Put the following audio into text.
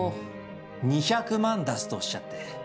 坪２００万出すとおっしゃって。